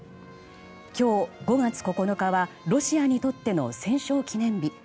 今日、５月９日はロシアにとっての戦勝記念日。